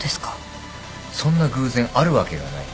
そんな偶然あるわけがない。